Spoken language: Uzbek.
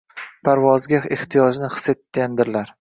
Parvozga ehtiyojni his etgandilar